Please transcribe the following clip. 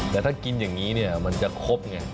แต่ถ้ากินอย่างนี้เนี่ยมันจะครบไง